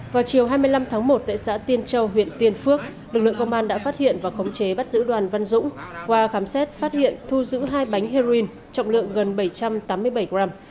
vào chiều hai mươi năm tháng một tại xã tiên châu huyện tiên phước lực lượng công an đã phát hiện và khống chế bắt giữ đoàn văn dũng qua khám xét phát hiện thu giữ hai bánh heroin trọng lượng gần bảy trăm tám mươi bảy gram